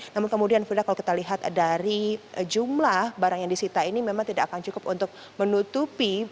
namun kemudian frida kalau kita lihat dari jumlah barang yang disita ini memang tidak akan cukup untuk menutupi